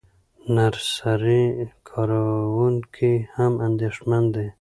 نرسري کارکوونکي هم اندېښمن دي.